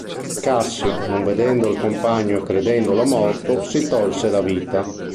Cassio, non vedendo il compagno e credendolo morto, si tolse la vita.